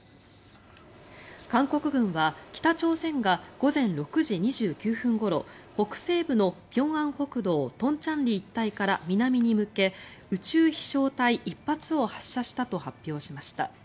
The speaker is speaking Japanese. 韓国軍は北朝鮮が午前６時２９分ごろ北西部の平安北道東倉里一帯から南に向け宇宙飛翔体１発を発射したと発表しました。